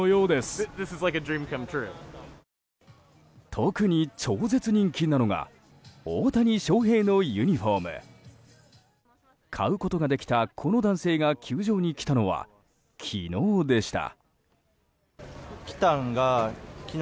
特に超絶人気なのが大谷翔平のユニホーム。買うことができたこの男性が球場に来たのは昨日でした。